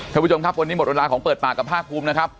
ท่านผู้ชมครับวันนี้หมดเวลาของเปิดปากกับภาคภูมินะครับ